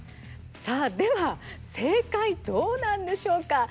さあでは正解どうなんでしょうか？